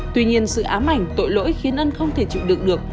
tuy nhiên sự ám ảnh tội lỗi khiến ân không thể chịu đựng được